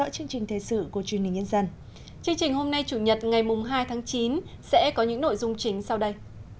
chương trình hôm nay chủ nhật ngày hai tháng chín sẽ có những nội dung chính sau đây